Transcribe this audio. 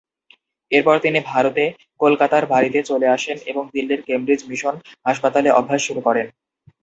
এরপর তিনি ভারতে কলকাতার বাড়িতে চলে আসেন এবং দিল্লির কেমব্রিজ মিশন হাসপাতালে অভ্যাস শুরু করেন।